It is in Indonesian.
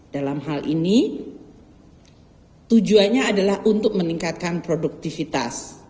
dalam hal ini tujuannya adalah untuk meningkatkan produktivitas